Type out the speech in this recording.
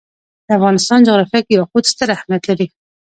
د افغانستان جغرافیه کې یاقوت ستر اهمیت لري.